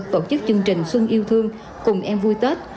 tổ chức chương trình xuân yêu thương cùng em vui tết